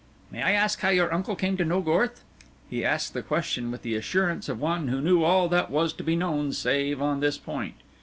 "May I ask how your uncle came to know Gorth?" He asked the question with the assurance of one who knew all that was to be known save on this point.